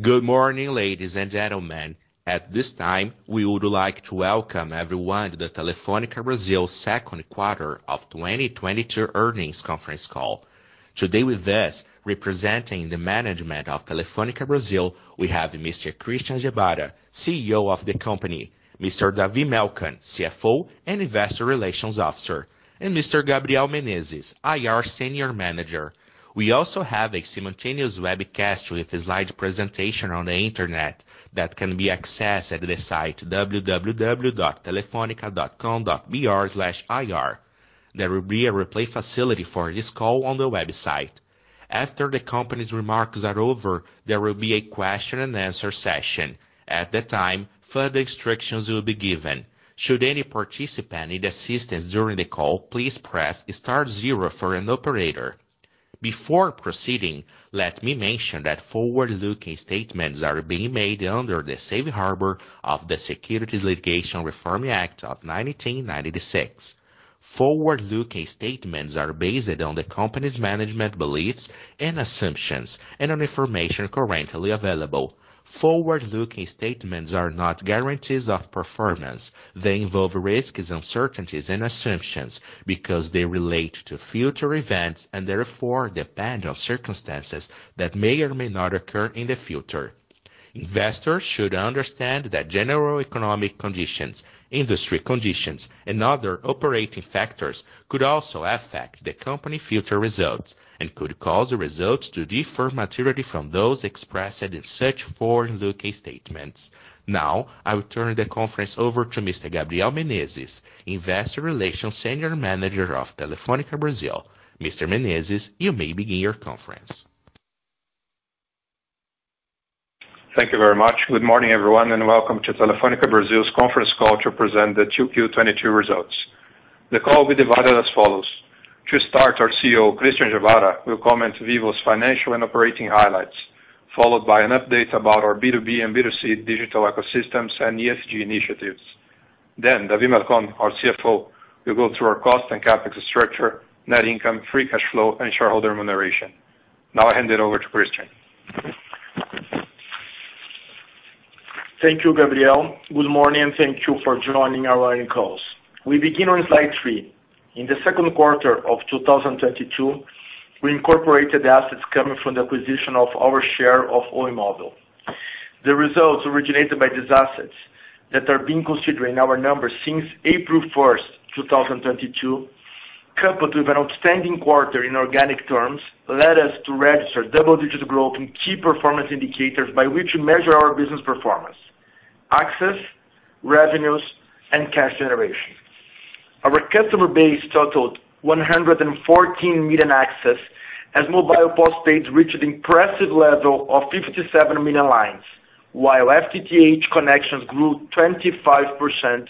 Good morning, ladies and gentlemen. At this time, we would like to welcome everyone to the Telefônica Brasil second quarter of 2022 earnings conference call. Today with us, representing the management of Telefônica Brasil, we have Mr. Christian Gebara, CEO of the company, Mr. David Melcon, CFO and Investor Relations Officer, and Mr. Gabriel Menezes, IR Senior Manager. We also have a simultaneous webcast with a slide presentation on the Internet that can be accessed at the site www.telefonica.com.br/ir. There will be a replay facility for this call on the website. After the company's remarks are over, there will be a question and answer session. At that time, further instructions will be given. Should any participant need assistance during the call, please press star zero for an operator. Before proceeding, let me mention that forward-looking statements are being made under the safe harbor of the Private Securities Litigation Reform Act of 1995. Forward-looking statements are based on the company's management beliefs and assumptions and on information currently available. Forward-looking statements are not guarantees of performance. They involve risks, uncertainties, and assumptions because they relate to future events and therefore depend on circumstances that may or may not occur in the future. Investors should understand that general economic conditions, industry conditions, and other operating factors could also affect the company's future results and could cause the results to differ materially from those expressed in such forward-looking statements. Now, I will turn the conference over to Mr. Gabriel Menezes, Investor Relations Senior Manager of Telefônica Brasil. Mr. Menezes, you may begin your conference. Thank you very much. Good morning, everyone, and welcome to Telefônica Brasil's conference call to present the 2Q22 results. The call will be divided as follows. To start, our CEO, Christian Gebara, will comment on Vivo's financial and operating highlights, followed by an update about our B2B and B2C digital ecosystems and ESG initiatives. Then, David Melcon, our CFO, will go through our cost and CapEx structure, net income, free cash flow, and shareholder remuneration. Now I hand it over to Christian. Thank you, Gabriel. Good morning, and thank you for joining our earnings calls. We begin on slide three. In the second quarter of 2022, we incorporated assets coming from the acquisition of our share of Oi Mobile. The results originated by these assets that are being considered in our numbers since April 1, 2022, coupled with an outstanding quarter in organic terms, led us to register double-digit growth in key performance indicators by which we measure our business performance, access, revenues, and cash generation. Our customer base totaled 114 million accesses as mobile postpaid reached impressive level of 57 million lines, while FTTH connections grew 25%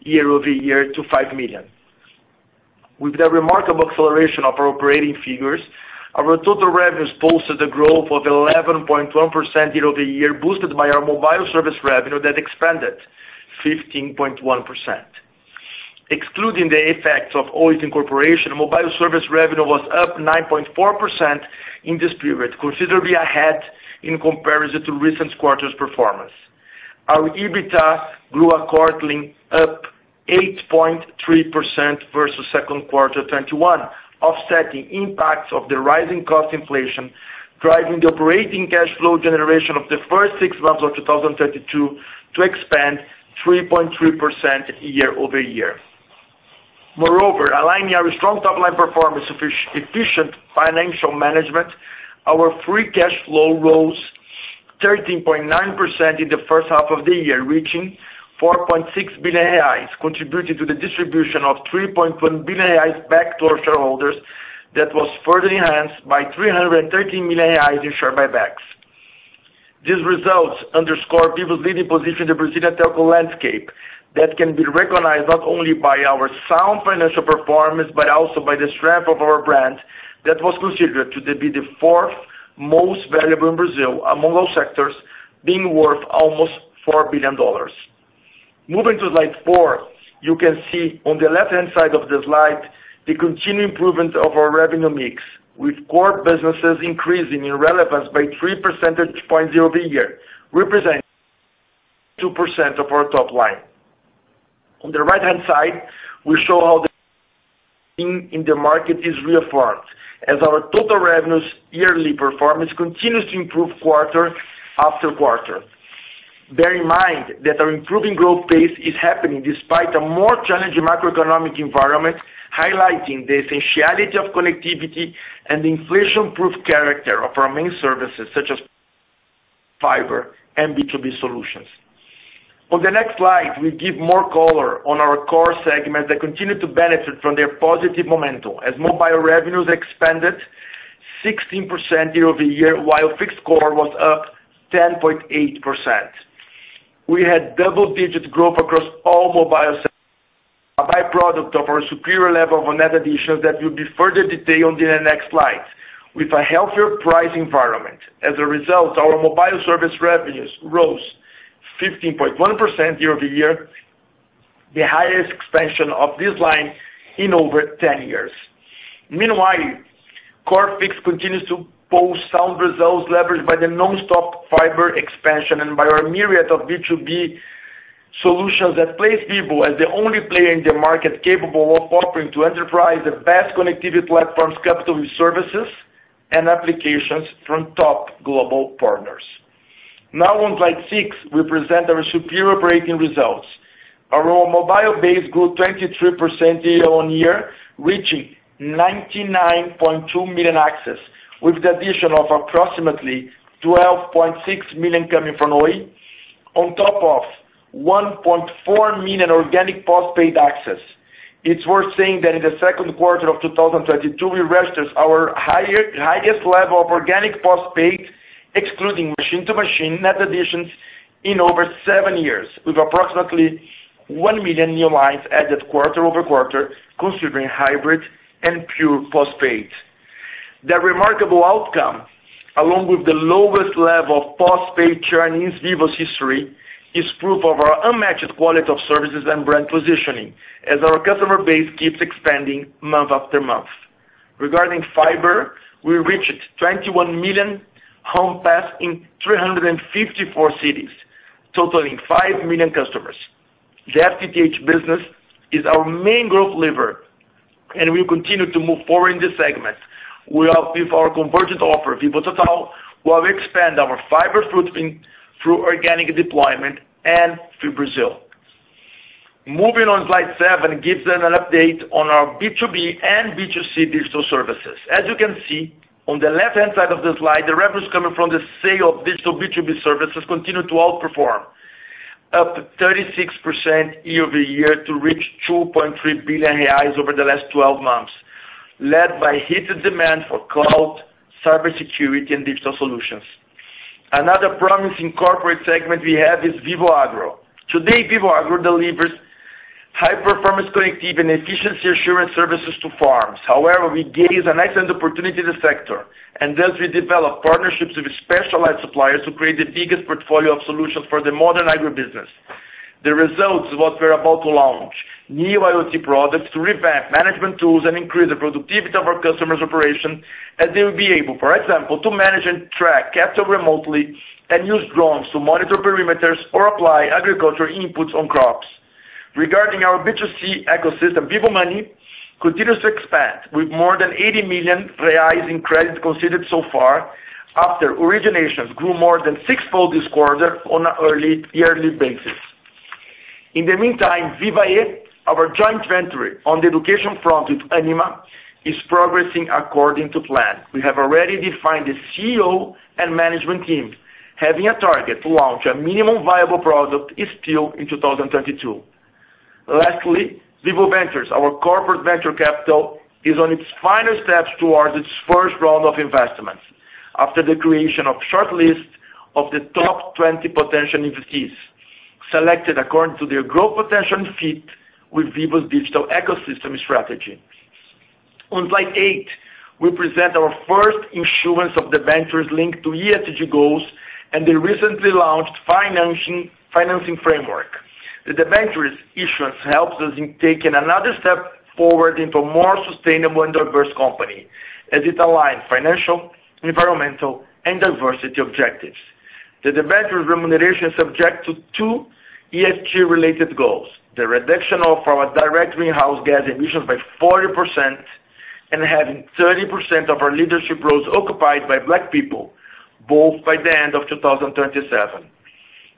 year-over-year to 5 million. With the remarkable acceleration of our operating figures, our total revenues posted a growth of 11.1% year-over-year, boosted by our mobile service revenue that expanded 15.1%. Excluding the effects of Oi's incorporation, mobile service revenue was up 9.4% in this period, considerably ahead in comparison to recent quarters' performance. Our EBITDA grew accordingly, up 8.3% versus second quarter 2021, offsetting impacts of the rising cost inflation, driving the operating cash flow generation of the first six months of 2022 to expand 3.3% year-over-year. Moreover, aligning our strong top-line performance efficient financial management, our free cash flow rose 13.9% in the first half of the year, reaching 4.6 billion reais, contributing to the distribution of 3.1 billion reais back to our shareholders that was further enhanced by 313 million reais in share buybacks. These results underscore Vivo's leading position in the Brazilian telco landscape that can be recognized not only by our sound financial performance, but also by the strength of our brand that was considered to be the fourth most valuable in Brazil among all sectors being worth almost $4 billion. Moving to slide four, you can see on the left-hand side of the slide the continued improvement of our revenue mix, with core businesses increasing in relevance by 3 percentage points year-over-year, representing 2% of our top line. On the right-hand side, we show how the in-market is reaffirmed as our total revenues yearly performance continues to improve quarter after quarter. Bear in mind that our improving growth pace is happening despite a more challenging macroeconomic environment, highlighting the essentiality of connectivity and the inflation-proof character of our main services such as fiber and B2B solutions. On the next slide, we give more color on our core segments that continue to benefit from their positive momentum as mobile revenues expanded 16% year-over-year, while fixed core was up 10.8%. We had double-digit growth across all mobile, a byproduct of our superior level of net additions that will be further detailed on the next slide. With a healthier price environment, as a result, our mobile service revenues rose 15.1% year-over-year. The highest expansion of this line in over ten years. Meanwhile, core fixed continues to post sound results leveraged by the nonstop fiber expansion and by our myriad of B2B solutions that place Vivo as the only player in the market capable of offering to enterprise the best connectivity platforms, capital services, and applications from top global partners. Now on slide six, we present our superior operating results. Our mobile base grew 23% year-over-year, reaching 99.2 million access, with the addition of approximately 12.6 million coming from Oi, on top of 1.4 million organic postpaid access. It's worth saying that in the second quarter of 2022, we registered our highest level of organic postpaid, excluding machine to machine net additions in over seven years, with approximately 1 million new lines added quarter over quarter, considering hybrid and pure postpaid. The remarkable outcome, along with the lowest level of postpaid churn in Vivo's history, is proof of our unmatched quality of services and brand positioning as our customer base keeps expanding month after month. Regarding fiber, we reached 21 million homes passed in 354 cities, totaling 5 million customers. The FTTH business is our main growth lever, and we'll continue to move forward in this segment. We are with our convergent offer, Vivo Total, while we expand our fiber footprint through organic deployment and throughout Brazil. Moving on slide seven gives an update on our B2B and B2C digital services. As you can see on the left-hand side of the slide, the revenues coming from the sale of digital B2B services continued to outperform, up 36% year-over-year to reach 2.3 billion reais over the last 12 months, led by heightened demand for cloud, cybersecurity, and digital solutions. Another promising corporate segment we have is Vivo Agro. Today, Vivo Agro delivers high-performance connectivity and efficiency assurance services to farms. However, we gauge an excellent opportunity in the sector, and thus we develop partnerships with specialized suppliers to create the biggest portfolio of solutions for the modern agribusiness. The results is what we're about to launch, new IoT products to revamp management tools and increase the productivity of our customers' operation as they will be able, for example, to manage and track cattle remotely and use drones to monitor perimeters or apply agriculture inputs on crops. Regarding our B2C ecosystem, Vivo Money continues to expand with more than 80 million reais in credit considered so far after originations grew more than sixfold this quarter on a yearly basis. In the meantime, Vivae, our joint venture on the education front with Ânima, is progressing according to plan. We have already defined the CEO and management team having a target to launch a minimum viable product is still in 2022. Lastly, Vivo Ventures, our corporate venture capital, is on its final steps towards its first round of investments after the creation of shortlist of the top 20 potential investees selected according to their growth potential fit with Vivo's digital ecosystem strategy. On slide eight, we present our first issuance of debentures linked to ESG goals and the recently launched financing framework. The debentures issuance helps us in taking another step forward into a more sustainable and diverse company as it aligns financial, environmental, and diversity objectives. The debentures remuneration is subject to two ESG related goals, the reduction of our direct greenhouse gas emissions by 40% and having 30% of our leadership roles occupied by Black people, both by the end of 2027.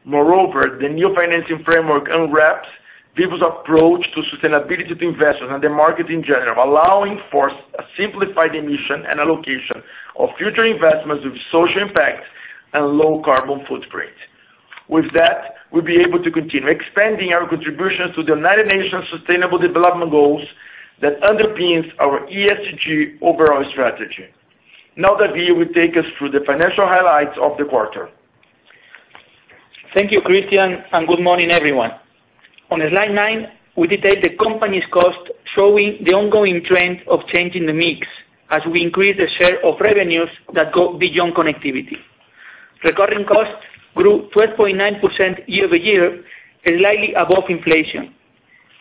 Moreover, the new financing framework unwraps Vivo's approach to sustainability to investors and the market in general, allowing for a simplified emission and allocation of future investments with social impact and low carbon footprint. With that, we'll be able to continue expanding our contributions to the United Nations Sustainable Development Goals that underpins our ESG overall strategy. Now, David will take us through the financial highlights of the quarter. Thank you, Christian, and good morning, everyone. On slide nine, we detail the company's costs, showing the ongoing trend of changing the mix as we increase the share of revenues that go beyond connectivity. Recurring costs grew 12.9% year-over-year and slightly above inflation.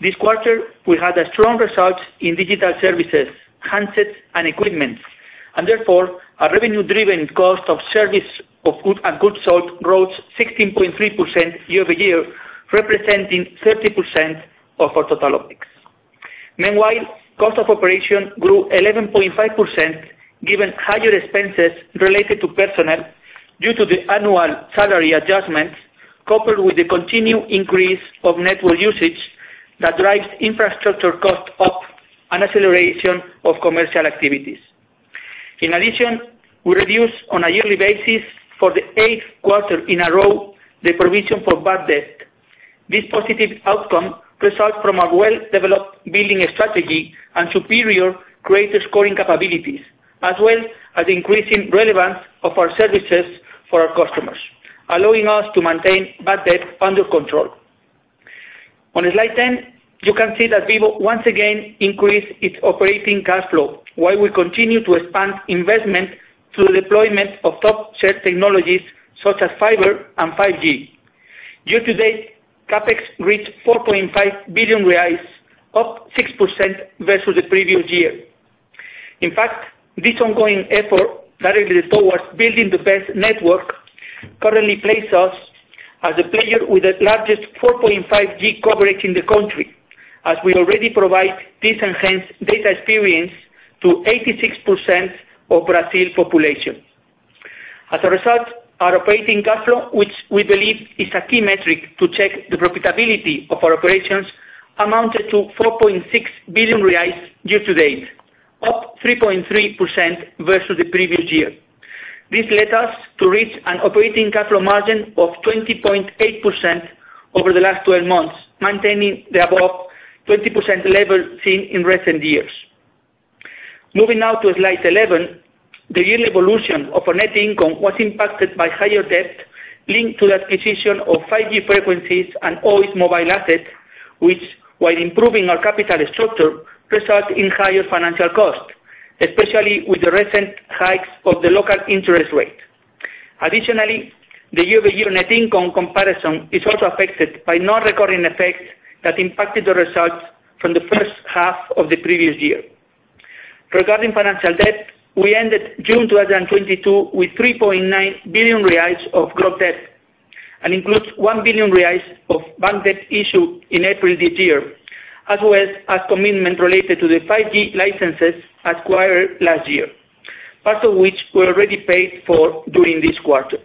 This quarter, we had a strong result in digital services, handsets and equipment, and therefore a revenue-driven cost of goods sold growth 16.3% year-over-year, representing 30% of our total OpEx. Meanwhile, cost of operation grew 11.5% given higher expenses related to personnel due to the annual salary adjustments, coupled with the continued increase of network usage that drives infrastructure cost up and acceleration of commercial activities. In addition, we reduced on a yearly basis for the eighth quarter in a row the provision for bad debt. This positive outcome results from a well-developed billing strategy and superior credit scoring capabilities, as well as increasing relevance of our services for our customers, allowing us to maintain bad debt under control. On slide 10, you can see that Vivo once again increased its operating cash flow while we continue to expand investment through the deployment of top-tier technologies such as fiber and 5G. Year to date, CapEx reached 4.5 billion reais, up 6% versus the previous year. In fact, this ongoing effort directly towards building the best network currently places us as a player with the largest 4.5G coverage in the country, as we already provide this enhanced data experience to 86% of Brazil population. As a result, our operating cash flow, which we believe is a key metric to check the profitability of our operations, amounted to 4.6 billion reais year to date. Up 3.3% versus the previous year. This led us to reach an operating cash flow margin of 20.8% over the last 12 months, maintaining the above 20% level seen in recent years. Moving now to slide 11. The yield evolution of our net income was impacted by higher debt linked to the acquisition of 5G frequencies and Oi's mobile asset, which while improving our capital structure, results in higher financial cost, especially with the recent hikes of the local interest rate. Additionally, the year-over-year net income comparison is also affected by not recording effects that impacted the results from the first half of the previous year. Regarding financial debt, we ended June 2022 with 3.9 billion reais of gross debt, and includes 1 billion reais of bank debt issued in April this year, as well as a commitment related to the 5G licenses acquired last year, part of which were already paid for during this quarter.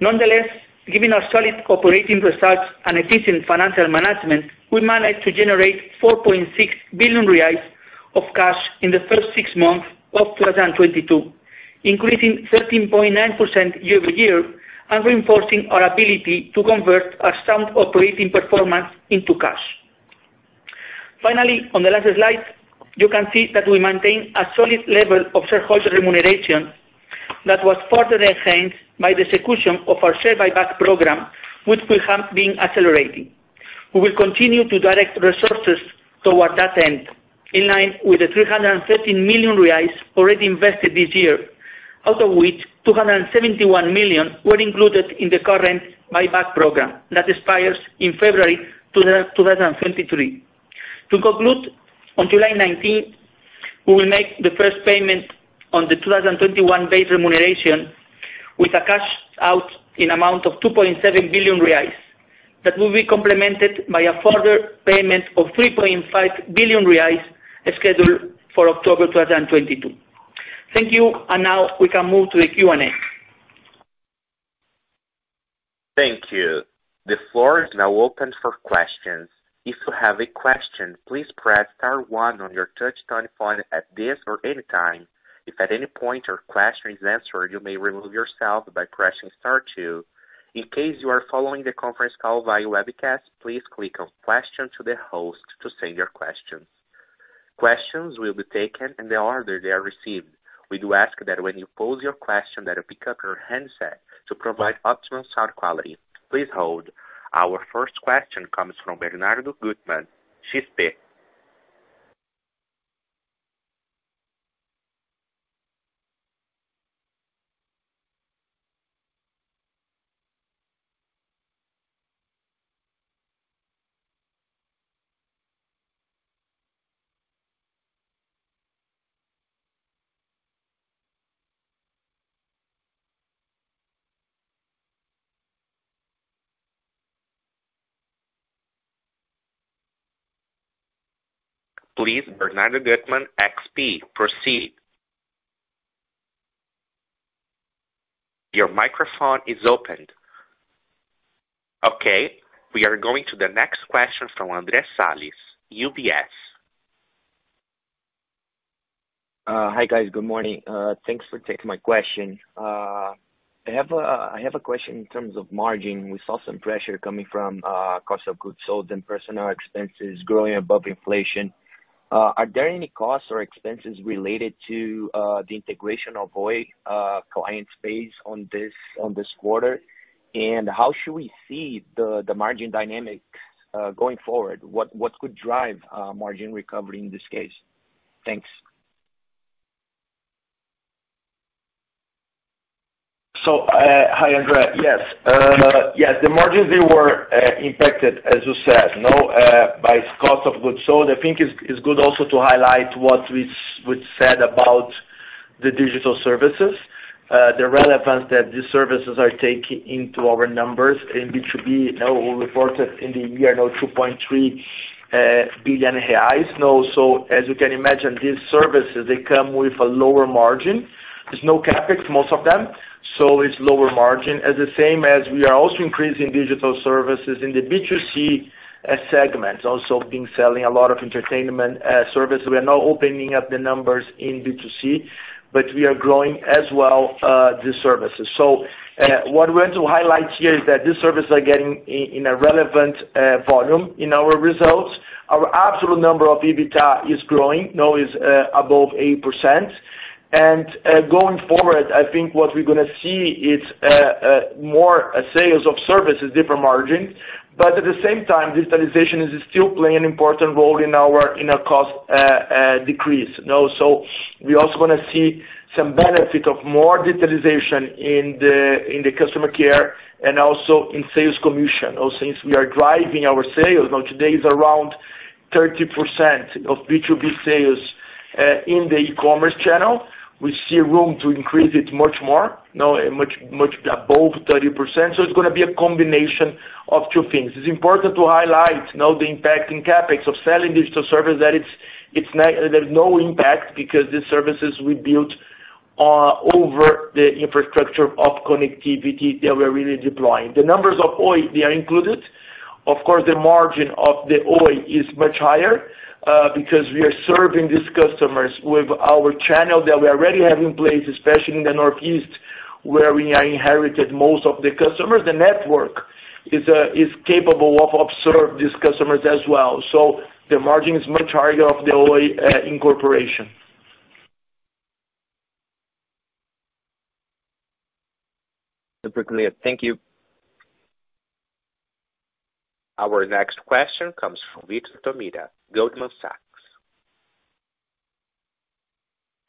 Nonetheless, given our solid operating results and efficient financial management, we managed to generate 4.6 billion reais of cash in the first six months of 2022, increasing 13.9% year-over-year and reinforcing our ability to convert our sound operating performance into cash. Finally, on the last slide, you can see that we maintain a solid level of shareholder remuneration that was further enhanced by the execution of our share buyback program, which we have been accelerating. We will continue to direct resources toward that end, in line with 313 million reais already invested this year, out of which 271 million were included in the current buyback program that expires in February 2023. To conclude, on July 19th, we will make the first payment on the 2021 base remuneration with a cash outlay in amount of 2.7 billion reais that will be complemented by a further payment of 3.5 billion reais scheduled for October 2022. Thank you. Now we can move to the Q&A. Thank you. The floor is now open for questions. If you have a question, please press star one on your touch-tone phone at this or any time. If at any point your question is answered, you may remove yourself by pressing star two. In case you are following the conference call via webcast, please click on Question to the Host to send your question. Questions will be taken in the order they are received. We do ask that when you pose your question that you pick up your handset to provide optimal sound quality. Please hold. Our first question comes from Bernardo Guttmann, XP. Please, Bernardo Guttmann, XP, proceed. Your microphone is opened. Okay, we are going to the next question from Andre Salles, UBS. Hi, guys. Good morning. Thanks for taking my question. I have a question in terms of margin. We saw some pressure coming from cost of goods sold and personnel expenses growing above inflation. Are there any costs or expenses related to the integration of Oi client base in this quarter? How should we see the margin dynamic going forward? What could drive margin recovery in this case? Thanks. Hi, Andre. Yes, the margins they were impacted, as you said, you know, by cost of goods sold. I think it's good also to highlight what we said about the digital services, the relevance that these services are taking into our numbers, and it should be, you know, reported in the year, you know, 2.3 billion reais. Now, as you can imagine, these services, they come with a lower margin. There's no CapEx, most of them, so it's lower margin. At the same as we are also increasing digital services in the B2C segment, also been selling a lot of entertainment service. We are now opening up the numbers in B2C, but we are growing as well the services. What we want to highlight here is that these services are getting in a relevant volume in our results. Our absolute number of EBITDA is growing, now is above 8%. Going forward, I think what we're gonna see is more sales of services, different margin. At the same time, digitalization is still playing an important role in our cost decrease. Now, we also wanna see some benefit of more digitalization in the customer care and also in sales commission, or since we are driving our sales. Now, today is around 30% of B2B sales in the e-commerce channel. We see room to increase it much more. No, much, much above 30%. It's gonna be a combination of two things. It's important to highlight now the impact in CapEx of selling digital service that it's. There's no impact because these services we built over the infrastructure of connectivity that we're really deploying. The numbers of Oi, they are included. Of course, the margin of the Oi is much higher, because we are serving these customers with our channel that we already have in place, especially in the Northeast, where we inherited most of the customers. The network is capable of absorbing these customers as well. The margin is much higher of the Oi incorporation. Super clear. Thank you. Our next question comes from Vitor Tomita, Goldman Sachs.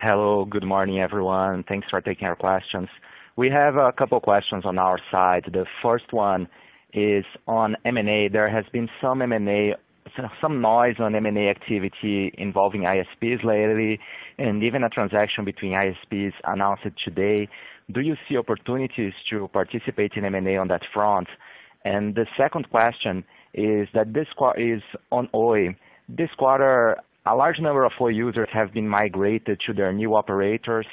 Hello, good morning, everyone. Thanks for taking our questions. We have a couple questions on our side. The first one is on M&A. There has been some M&A activity involving ISPs lately, and even a transaction between ISPs announced today. Do you see opportunities to participate in M&A on that front? The second question is that this is on Oi. This quarter, a large number of Oi users have been migrated to their new operators.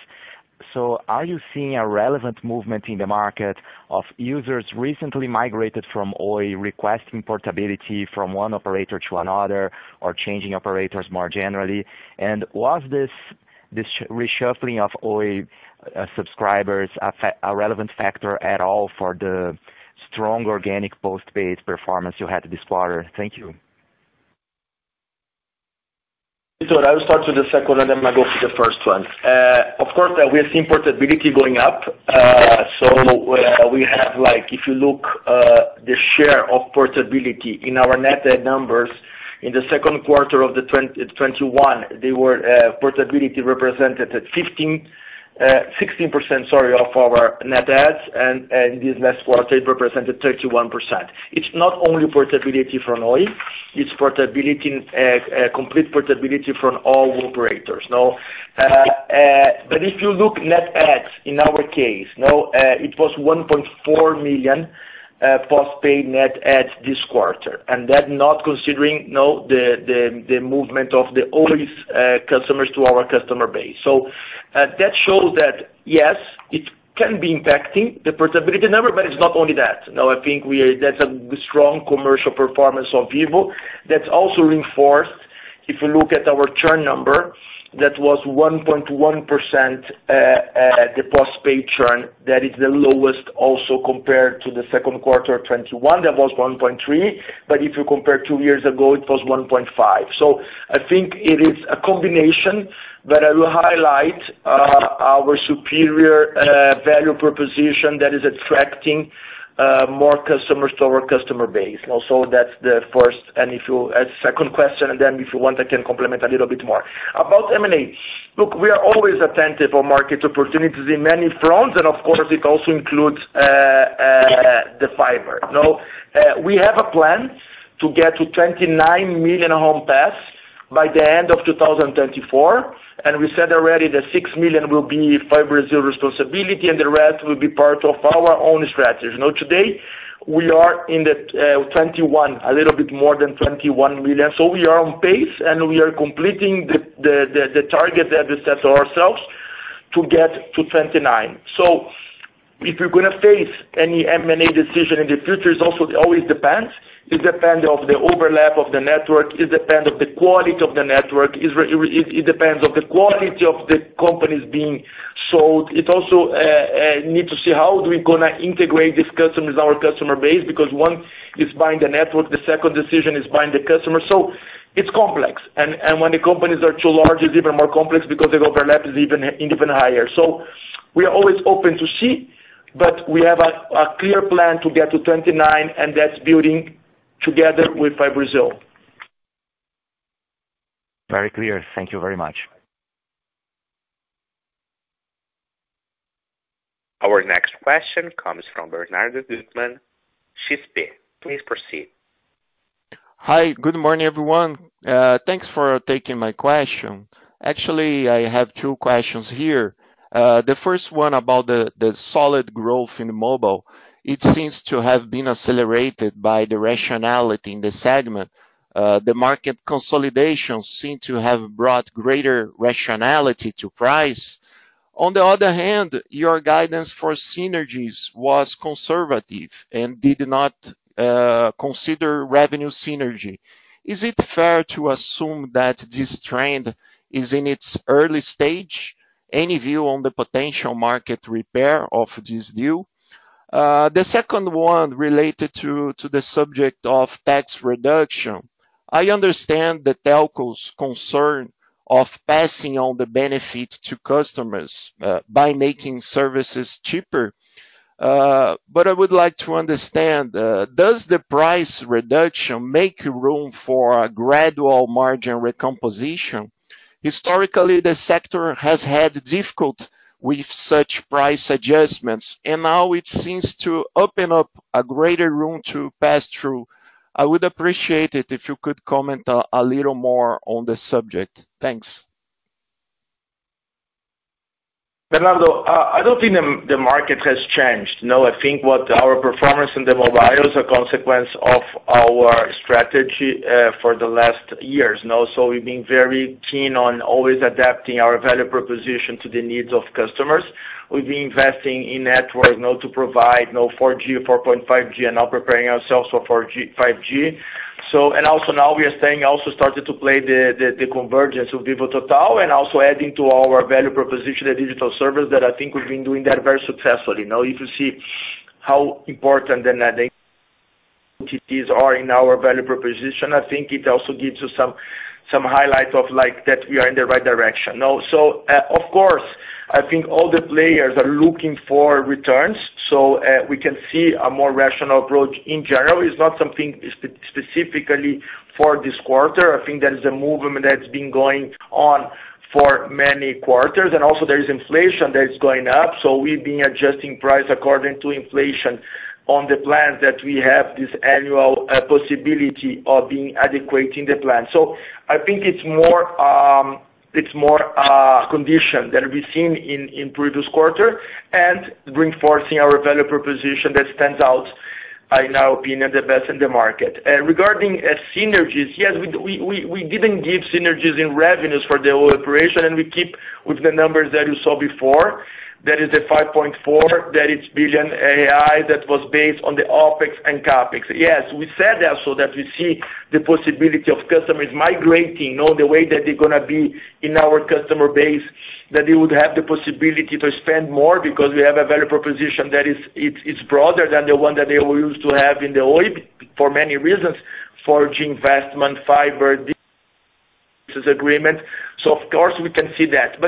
Are you seeing a relevant movement in the market of users recently migrated from Oi requesting portability from one operator to another or changing operators more generally? Was this reshuffling of Oi subscribers a relevant factor at all for the strong organic postpaid performance you had this quarter? Thank you. I will start with the second one, then I'm gonna go to the first one. Of course, we have seen portability going up. We have, if you look, the share of portability in our net add numbers in the second quarter of 2021, they were, portability represented at 15%, 16% sorry of our net adds and this last quarter it represented 31%. It's not only portability from Oi, it's complete portability from all operators. But if you look net adds in our case, it was 1.4 million postpaid net adds this quarter, and that not considering, you know, the movement of the Oi's customers to our customer base. That shows that yes, it can be impacting the portability number, but it's not only that. Now, I think that's a strong commercial performance of Vivo that's also reinforced, if you look at our churn number, that was 1.1%, the postpaid churn. That is the lowest also compared to the second quarter of 2021. That was 1.3%. But if you compare two years ago, it was 1.5%. I think it is a combination, but I will highlight our superior value proposition that is attracting more customers to our customer base. Also that's the first and second question, and then if you want, I can comment a little bit more. About M&A. Look, we are always attentive on market opportunities in many fronts and of course it also includes the fiber. We have a plan to get to 29 million home passed by the end of 2024, and we said already that 6 million will be FiBrasil responsibility and the rest will be part of our own strategies. Today we are in the 21, a little bit more than 21 million. We are on pace, and we are completing the target that we set to ourselves to get to 29. If you're gonna face any M&A decision in the future, it's also always depends. It depends of the overlap of the network, it depends of the quality of the network. It depends of the quality of the companies being sold. We also need to see how we are gonna integrate these customers, our customer base, because one is buying the network, the second decision is buying the customer. It's complex. When the companies are too large it's even more complex because the overlap is even higher. We are always open to see, but we have a clear plan to get to 29 and that's building together with FiBrasil. Very clear. Thank you very much. Our next question comes from Bernardo Guttmann, XP. Please proceed. Hi, good morning, everyone. Thanks for taking my question. Actually, I have two questions here. The first one about the solid growth in mobile. It seems to have been accelerated by the rationality in the segment. The market consolidation seem to have brought greater rationality to price. On the other hand, your guidance for synergies was conservative and did not consider revenue synergy. Is it fair to assume that this trend is in its early stage? Any view on the potential market repair of this deal? The second one related to the subject of tax reduction. I understand the telcos' concern of passing on the benefit to customers by making services cheaper. I would like to understand, does the price reduction make room for a gradual margin recomposition? Historically, the sector has had difficulty with such price adjustments, now it seems to open up a greater room to pass through. I would appreciate it if you could comment a little more on this subject. Thanks. Bernardo, I don't think the market has changed. No, I think what our performance in the mobile is a consequence of our strategy for the last years. We've been very keen on always adapting our value proposition to the needs of customers. We've been investing in network now to provide now 4G, 4.5G and now preparing ourselves for 5G. Also now we have also started to play the convergence of Vivo Total and also adding to our value proposition a digital service that I think we've been doing that very successfully. If you see how important then that they Mm-hmm. These are in our value proposition. I think it also gives you some highlight of like that we are in the right direction. Of course, I think all the players are looking for returns. We can see a more rational approach in general. It's not something specifically for this quarter. I think that is a movement that's been going on for many quarters. There is inflation that is going up. We've been adjusting price according to inflation on the plans that we have this annual possibility of being adequate in the plan. I think it's more condition that we've seen in previous quarter and reinforcing our value proposition that stands out, in our opinion, the best in the market. Regarding the synergies, yes, we didn't give synergies in revenues for the old operation, and we keep with the numbers that you saw before. That is the 5.4, that's 5.4 billion that was based on the OpEx and CapEx. Yes, we said also that we see the possibility of customers migrating, you know, the way that they're gonna be in our customer base, that they would have the possibility to spend more because we have a value proposition that is, it's broader than the one that they used to have in the Oi for many reasons, 4G investment, fiber, this agreement. Of course, we can see that.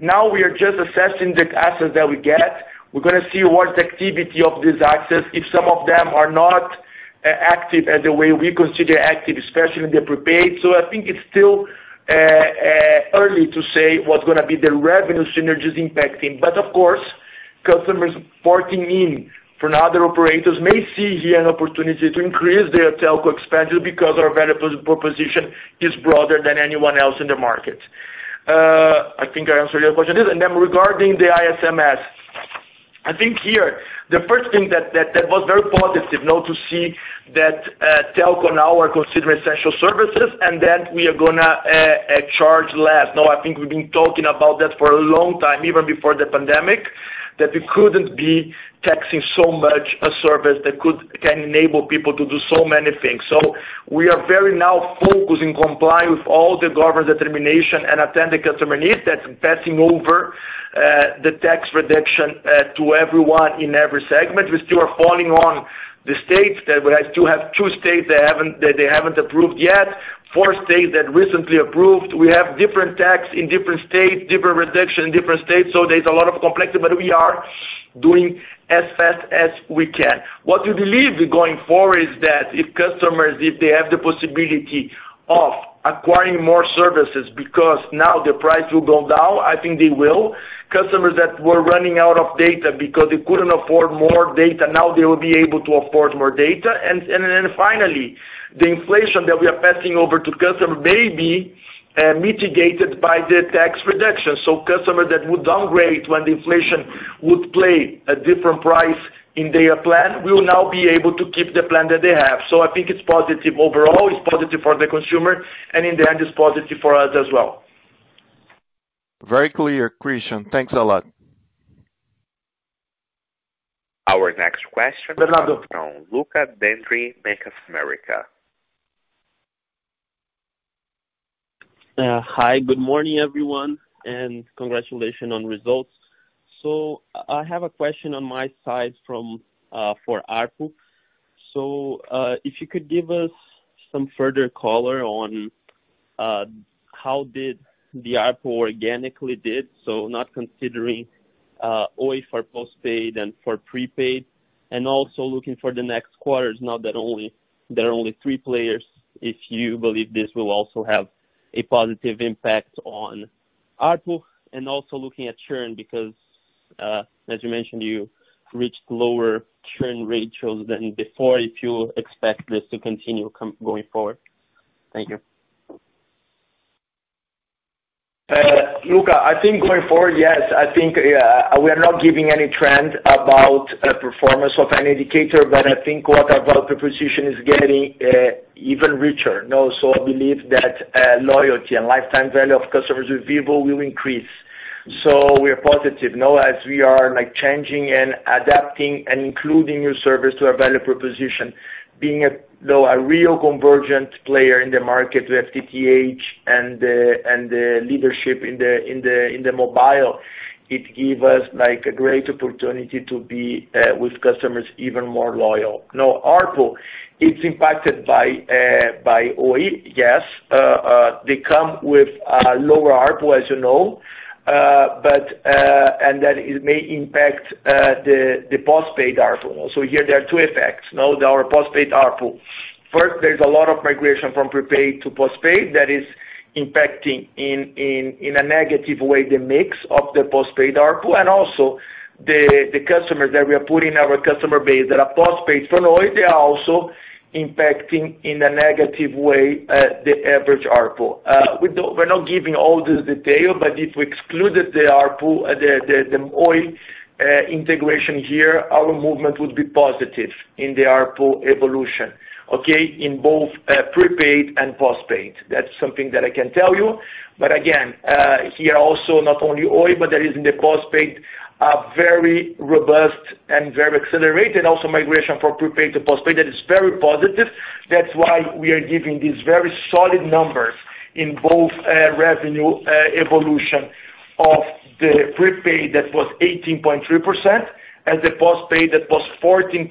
Now we are just assessing the assets that we get. We're gonna see what activity of these assets, if some of them are not active as the way we consider active, especially in the prepaid. I think it's still early to say what's gonna be the revenue synergies impacting. Of course, customers porting in from other operators may see here an opportunity to increase their telco expenditure because our value proposition is broader than anyone else in the market. I think I answered your question. Regarding the ICMS, I think here the first thing that was very positive, you know, to see that telcos now are considering essential services and that we are gonna charge less. Now, I think we've been talking about that for a long time, even before the pandemic, that we couldn't be taxing so much a service that could enable people to do so many things. We are very now focused in complying with all the government determination and attend the customer needs. That's passing over the tax reduction to everyone in every segment. We still are following on the states that we have two states that they haven't approved yet. Four states that recently approved. We have different tax in different states, different reduction in different states. There's a lot of complexity, but we are doing as fast as we can. What we believe going forward is that if customers, if they have the possibility of acquiring more services because now the price will go down, I think they will. Customers that were running out of data because they couldn't afford more data, now they will be able to afford more data. Finally, the inflation that we are passing over to customers may be mitigated by the tax reduction. Customers that would downgrade when the inflation would pay a different price in their plan will now be able to keep the plan that they have. I think it's positive overall. It's positive for the consumer and in the end it's positive for us as well. Very clear, Christian. Thanks a lot. Our next question. Bernardo- From Lucca Brendim, Bank of America. Hi, good morning, everyone, and congratulations on results. I have a question on my side from, for ARPU. If you could give us some further color on, how did the ARPU organically did, so not considering, OIB for postpaid and for prepaid, and also looking for the next quarters, now that there are only three players, if you believe this will also have a positive impact on ARPU. Also looking at churn because, as you mentioned, you reached lower churn ratios than before, if you expect this to continue going forward. Thank you. Lucca, I think going forward, yes. I think we are not giving any trend about performance of an indicator, but I think what our value proposition is getting even richer. Now I believe that loyalty and lifetime value of customers with Vivo will increase. We are positive, you know, as we are like changing and adapting and including new service to our value proposition, being a true convergent player in the market with FTTH and the leadership in the mobile. It give us like a great opportunity to be with customers even more loyal. Now ARPU, it's impacted by Oi. Yes. They come with lower ARPU, as you know. But it may impact the postpaid ARPU. Here there are two effects. Now our postpaid ARPU. First, there's a lot of migration from prepaid to postpaid that is impacting in a negative way the mix of the postpaid ARPU and also the customers that we are adding to our customer base that are postpaid from Oi. They are also impacting in a negative way the average ARPU. We're not giving all the detail, but if we excluded the Oi integration here, our movement would be positive in the ARPU evolution, okay? In both prepaid and postpaid. That's something that I can tell you. Again, here also not only Oi, but there is in the postpaid a very robust and very accelerated also migration from prepaid to postpaid. That is very positive. That's why we are giving these very solid numbers in both, revenue, evolution of the prepaid that was 18.3% and the postpaid that was 14.4%.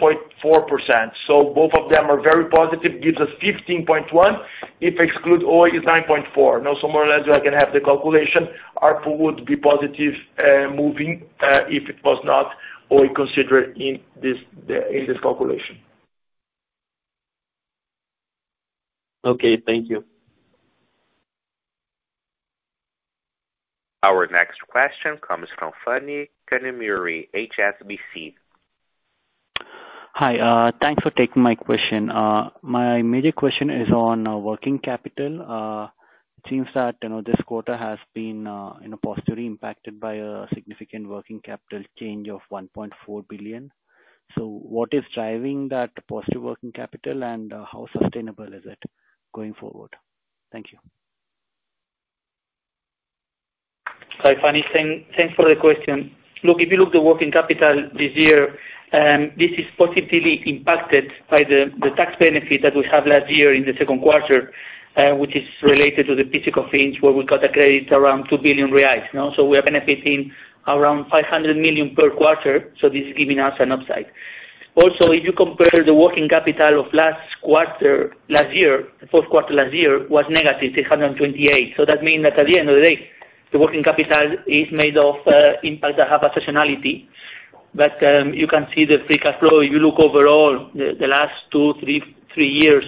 Both of them are very positive, gives us 15.1%. If exclude Oi is 9.4%. Now somewhere around there I can have the calculation. ARPU would be positive, moving, if it was not Oi considered in this calculation. Okay. Thank you. Our next question comes from Phani Kanumuri, HSBC. Hi. Thanks for taking my question. My major question is on working capital. It seems that, you know, this quarter has been, you know, positively impacted by a significant working capital change of 1.4 billion. What is driving that positive working capital and how sustainable is it going forward? Thank you. Hi, Phani Kanumuri. Thanks for the question. Look, if you look the working capital this year, this is positively impacted by the tax benefit that we had last year in the second quarter, which is related to the PIS/COFINS where we got a credit around 2 billion reais. Now, we are benefiting around 500 million per quarter, this is giving us an upside. Also, if you compare the working capital of last quarter last year, the fourth quarter last year was negative 328. That means that at the end of the day, the working capital is made of impact that have a seasonality. You can see the free cash flow. If you look overall the last two, three years,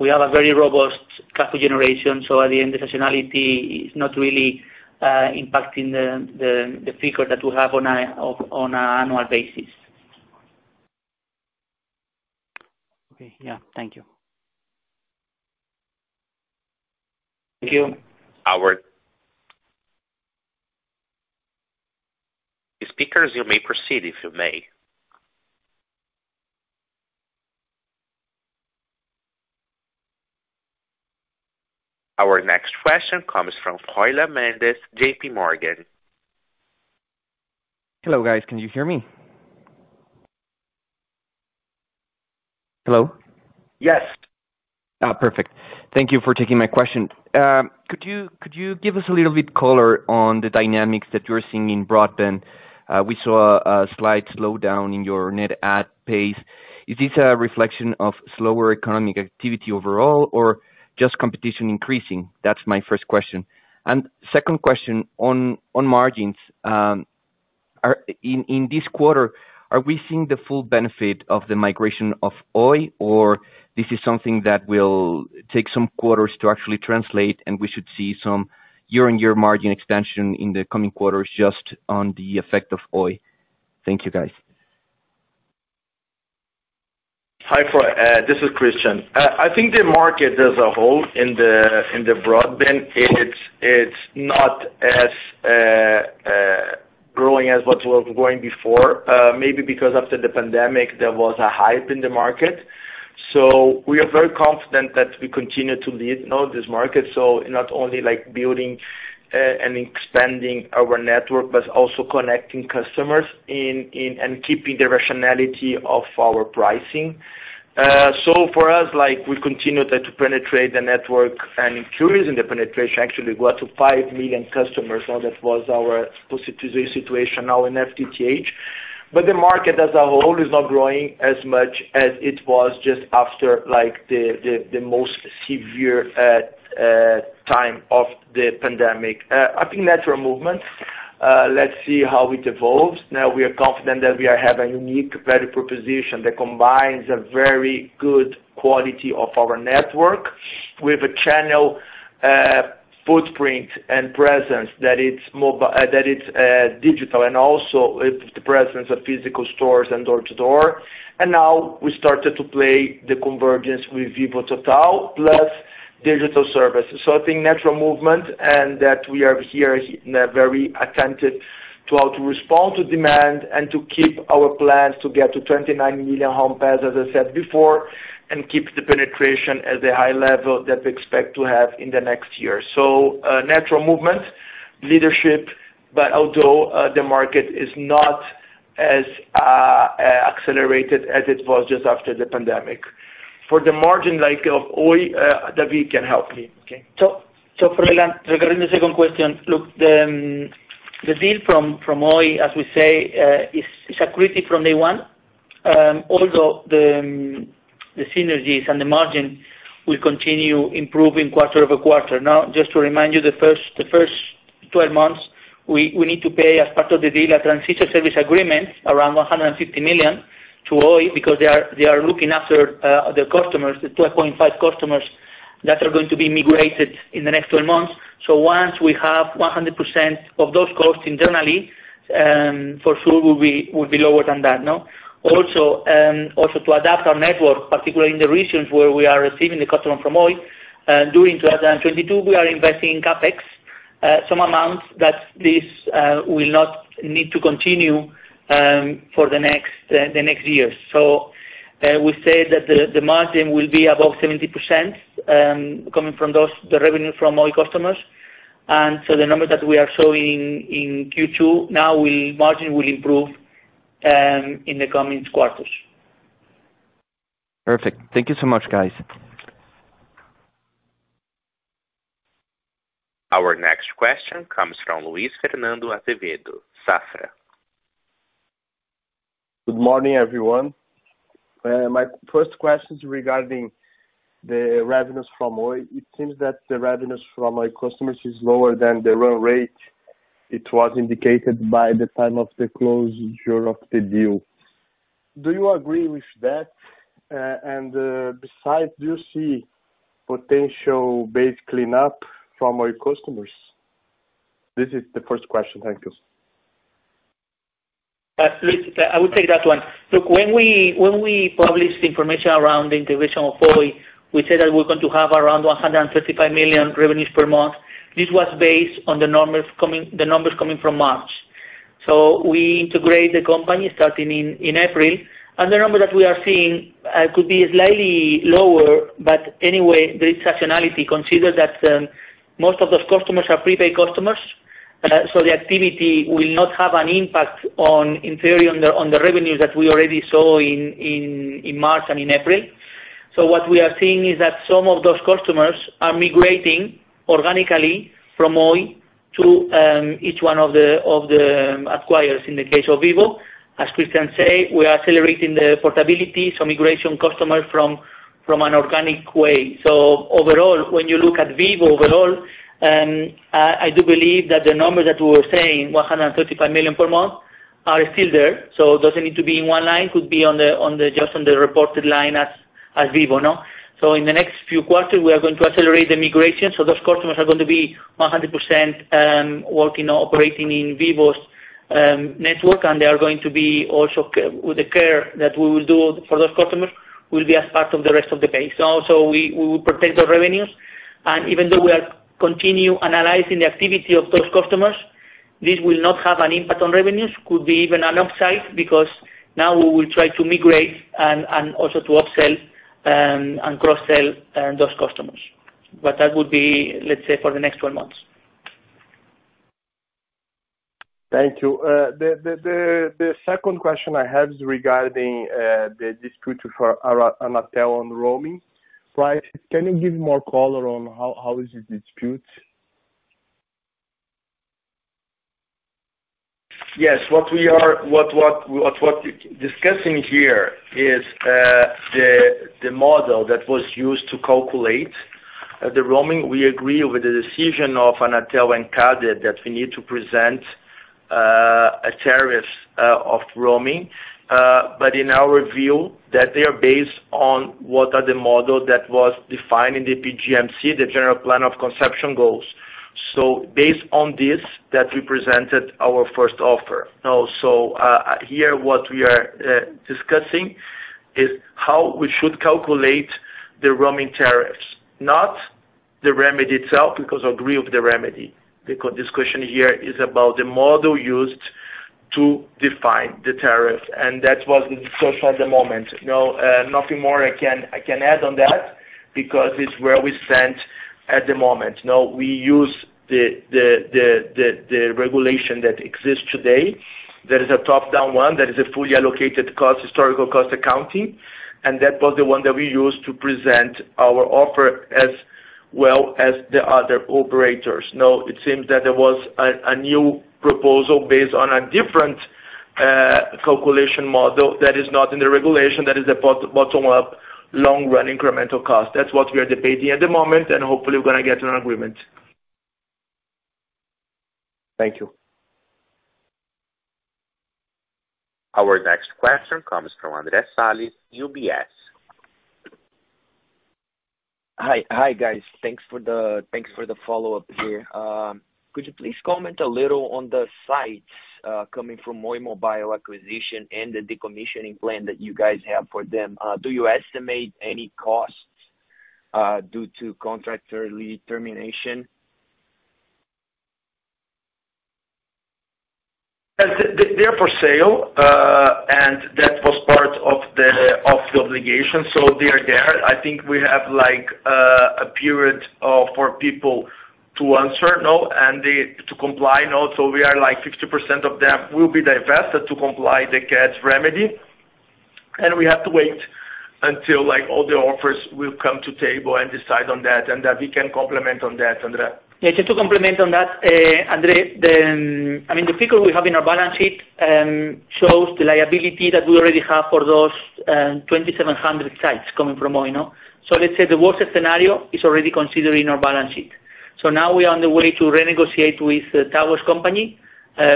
we have a very robust cash flow generation. At the end, the seasonality is not really impacting the figure that we have on an annual basis. Okay. Yeah. Thank you. Thank you. Our Speakers, you may proceed, if you may. Our next question comes from, JPMorgan. Hello, guys. Can you hear me? Hello? Yes. Perfect. Thank you for taking my question. Could you give us a little bit color on the dynamics that you're seeing in broadband? We saw a slight slowdown in your net add pace. Is this a reflection of slower economic activity overall or just competition increasing? That's my first question. Second question on margins. In this quarter, are we seeing the full benefit of the migration of Oi, or this is something that will take some quarters to actually translate and we should see some year-on-year margin expansion in the coming quarters just on the effect of Oi? Thank you, guys. Hi, Roy. This is Christian. I think the market as a whole in the broadband, it's not as growing as what was growing before, maybe because after the pandemic there was a hype in the market. We are very confident that we continue to lead, you know, this market. Not only like building and expanding our network, but also connecting customers and keeping the rationality of our pricing. For us, like, we continue to penetrate the network and increasing the penetration actually go out to 5 million customers. That was our specific situation now in FTTH. The market as a whole is not growing as much as it was just after like the most severe time of the pandemic. I think natural movement. Let's see how it evolves. Now we are confident that we have a unique value proposition that combines a very good quality of our network with a channel footprint and presence that is digital and also it's the presence of physical stores and door-to-door. Now we started to play the convergence with Vivo Total plus digital services. I think natural movement and that we are here very attentive to how to respond to demand and to keep our plans to get to 29 million homes passed, as I said before, and keep the penetration at the high level that we expect to have in the next year. Natural movement, leadership, but although, the market is not as accelerated as it was just after the pandemic. For the margin like of Oi, David can help me. Okay. For Milan, regarding the second question, look, the deal from Oi, as we say, is accretive from day one, although the synergies and the margin will continue improving quarter-over-quarter. Now, just to remind you, the first 12 months, we need to pay as part of the deal a transition service agreement around 150 million to Oi because they are looking after their customers, the 12.5 million customers that are going to be migrated in the next 12 months. Once we have 100% of those costs internally, for sure will be lower than that, no? To adapt our network, particularly in the regions where we are receiving the customer from Oi, during 2022, we are investing in CapEx, some amounts that this will not need to continue for the next years. We say that the margin will be above 70% coming from the revenue from Oi customers. The number that we are showing in Q2 now, margin will improve in the coming quarters. Perfect. Thank you so much, guys. Our next question comes from Luis Fernando Azevedo, Safra. Good morning, everyone. My first question is regarding the revenues from Oi. It seems that the revenues from Oi customers is lower than the run rate it was indicated by the time of the closure of the deal. Do you agree with that? Besides, do you see potential base cleanup from Oi customers? This is the first question. Thank you. Luis, I would take that one. Look, when we published the information around the integration of Oi, we said that we're going to have around 135 million revenues per month. This was based on the numbers coming from March. We integrate the company starting in April, and the number that we are seeing could be slightly lower, but anyway, there is rationality. Consider that most of those customers are prepaid customers, so the activity will not have an impact on, in theory, on the revenues that we already saw in March and in April. What we are seeing is that some of those customers are migrating organically from Oi to each one of the acquirers in the case of Vivo. As Christian says, we are accelerating the portability, so migration customers from an organic way. Overall, when you look at Vivo overall, I do believe that the numbers that we were saying, 135 million per month, are still there. It doesn't need to be in one line, could be on the just on the reported line as Vivo, no? In the next few quarters, we are going to accelerate the migration, so those customers are going to be 100% working or operating in Vivo's network, and they are going to be also with the care that we will do for those customers will be as part of the rest of the base. We will protect the revenues. Even though we are continuing analyzing the activity of those customers, this will not have an impact on revenues, could be even an upside because now we will try to migrate and also to upsell and cross-sell those customers. That would be, let's say, for the next 12 months. Thank you. The second question I have is regarding the dispute for Anatel on roaming price. Can you give more color on how is this dispute? Yes. What we are discussing here is the model that was used to calculate the roaming. We agree with the decision of Anatel and CADE that we need to present a tariff of roaming, but in our view that they are based on what are the model that was defined in the PGMC, the General Plan of Competition Goals. Based on this that we presented our first offer. Now, here what we are discussing is how we should calculate the roaming tariffs, not the remedy itself, because agree with the remedy. The core discussion here is about the model used to define the tariff, and that was the discussion at the moment. No, nothing more I can add on that because it's where we stand at the moment. Now, we use the regulation that exists today. There is a top-down one that is a fully allocated cost, historical cost accounting, and that was the one that we used to present our offer as well as the other operators. Now, it seems that there was a new proposal based on a different calculation model that is not in the regulation that is a bottom-up long run incremental cost. That's what we are debating at the moment, and hopefully we're gonna get to an agreement. Thank you. Our next question comes from Andres Salles, UBS. Hi. Hi guys, thanks for the follow-up here. Could you please comment a little on the sites coming from Oi Mobile acquisition and the decommissioning plan that you guys have for them? Do you estimate any costs due to contract early termination? They're for sale, and that was part of the obligation, so they are there. I think we have, like, a period for people to answer, and to comply. We are like 60% of them will be divested to comply with the CADE's remedy. We have to wait until, like, all the offers will come to the table and decide on that, and that we can comment on that, Andre. Yeah. Just to complement on that, Andre, then, I mean, the figure we have in our balance sheet shows the liability that we already have for those 2,700 sites coming from Oi. The worst scenario is already considered in our balance sheet. Now we are on the way to renegotiate with the towers company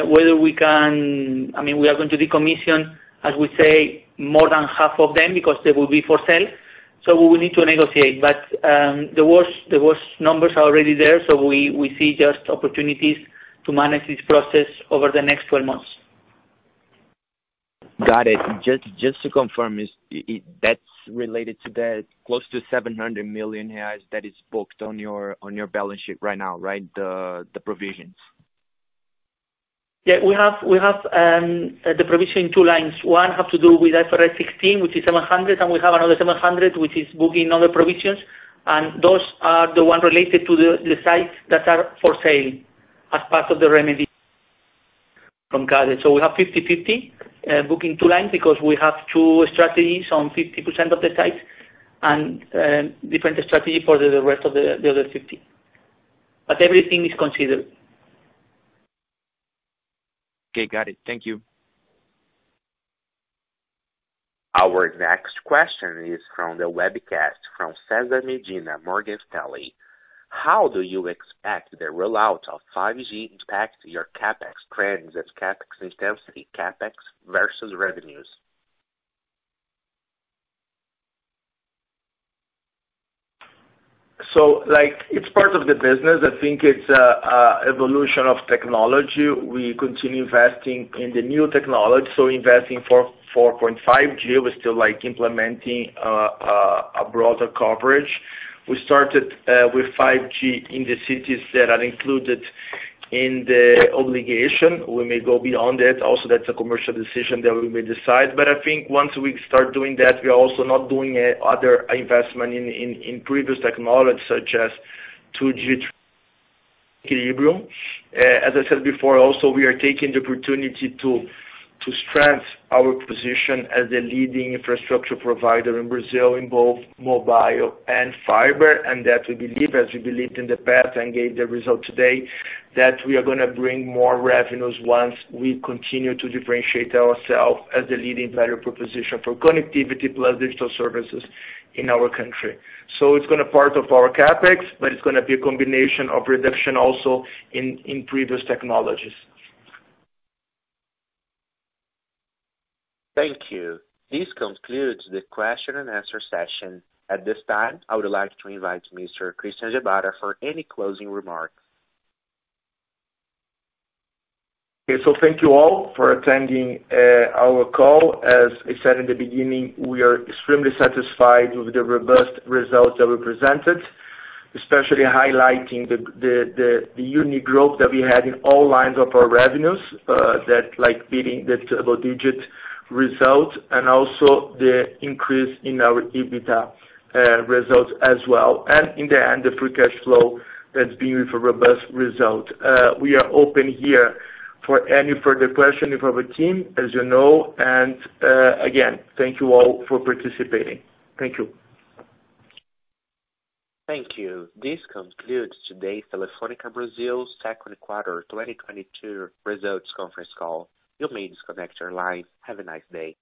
whether we can, I mean, we are going to decommission, as we say, more than half of them because they will be for sale. We will need to negotiate. The worst numbers are already there, so we see just opportunities to manage this process over the next 12 months. Got it. Just to confirm, that's related to that close to 700 million reais that is booked on your balance sheet right now, right? The provisions. Yeah. We have the provision in two lines. One have to do with IFRS 16, which is 700, and we have another 700, which is booking other provisions. Those are the ones related to the sites that are for sale as part of the remedy from CADE. We have 50/50 booking two lines because we have two strategies on 50% of the sites and different strategy for the rest of the other 50. Everything is considered. Okay. Got it. Thank you. Our next question is from the webcast from Cesar Medina, Morgan Stanley. How do you expect the rollout of 5G to impact your CapEx trends as CapEx intensity, CapEx versus revenues? Like, it's part of the business. I think it's evolution of technology. We continue investing in the new technology, so investing for 4.5G. We're still, like, implementing a broader coverage. We started with 5G in the cities that are included in the obligation. We may go beyond that. Also, that's a commercial decision that we may decide. I think once we start doing that, we are also not doing other investment in previous technology such as 2G, 3G. As I said before, also we are taking the opportunity to strengthen our position as a leading infrastructure provider in Brazil in both mobile and fiber. That we believe, as we believed in the past and gave the result today, that we are gonna bring more revenues once we continue to differentiate ourselves as a leading value proposition for connectivity plus digital services in our country. It's gonna be part of our CapEx, but it's gonna be a combination of reduction also in previous technologies. Thank you. This concludes the question and answer session. At this time, I would like to invite Mr. Christian Gebara for any closing remarks. Okay. Thank you all for attending our call. As I said in the beginning, we are extremely satisfied with the robust results that we presented, especially highlighting the unique growth that we had in all lines of our revenues, that like beating the double-digit result and also the increase in our EBITDA results as well. In the end, the free cash flow that's been with a robust result. We are open here for any further question with our team, as you know. Again, thank you all for participating. Thank you. Thank you. This concludes today's Telefônica Brasil second quarter 2022 results conference call. You may disconnect your line. Have a nice day.